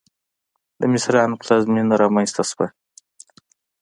د مصریانو پلازمېنه رامنځته شوه.